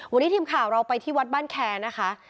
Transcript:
วันนี้ทีมข่าวเราไปที่วัดบ้านแคร์นะคะ